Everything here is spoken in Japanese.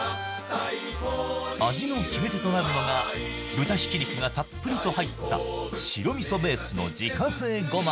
味の決め手となるのが豚ひき肉がたっぷりと入った白味噌ベースの自家製ゴマ